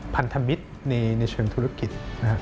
พันธมิตรในเชิงธุรกิจ